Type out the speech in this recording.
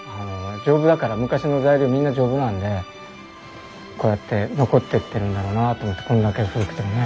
昔の材料みんな丈夫なんでこうやって残ってってるんだろうなと思ってこんだけ古くてもね。